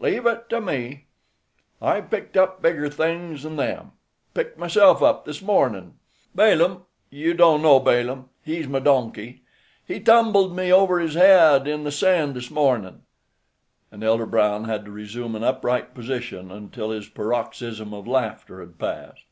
"Leave it to me. I've picked up bigger things 'n them. Picked myself up this mornin'. Balaam—you don't know Balaam; he's my donkey—he tumbled me over his head in the sand this mornin'." And Elder Brown had to resume an upright position until his paroxysm of laughter had passed.